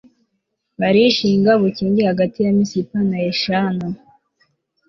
arishinga bukingi hagati ya misipa na yeshana